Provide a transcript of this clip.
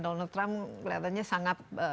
donald trump kelihatannya sangat